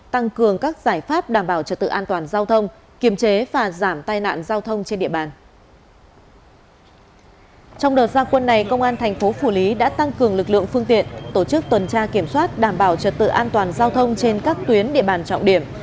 trong đợt gia quân này công an thành phố phủ lý đã tăng cường lực lượng phương tiện tổ chức tuần tra kiểm soát đảm bảo trật tự an toàn giao thông trên các tuyến địa bàn trọng điểm